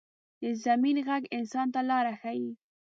د ضمیر غږ انسان ته لاره ښيي